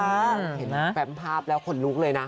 เห็นแปมภาพแล้วขนลุกเลยนะ